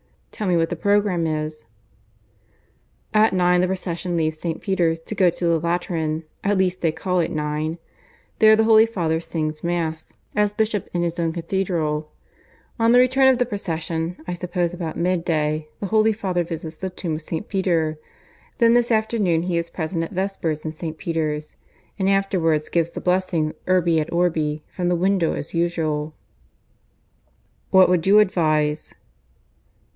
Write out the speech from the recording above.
"Tell me what the programme is." "At nine the procession leaves St. Peter's to go to the Lateran at least they call it nine. There the Holy Father sings Mass, as bishop in his own cathedral. On the return of the procession, I suppose about midday, the Holy Father visits the tomb of St. Peter. Then this afternoon he is present at Vespers in St. Peter's; and afterwards gives the blessing Urbi et Orbi from the window as usual." "What would you advise?"